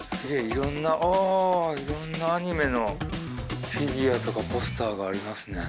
いろんなあいろんなアニメのフィギュアとかポスターがありますね。